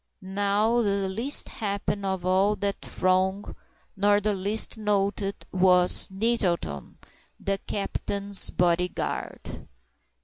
Not the least happy of all that throng, nor the least noted, was NETTLETON, THE CAPTAIN'S BODY GUARD.